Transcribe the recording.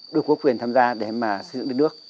được có quyền tham gia để mà xây dựng đất nước